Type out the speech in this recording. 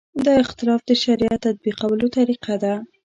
دا اختلاف د شریعت تطبیقولو طریقه ده.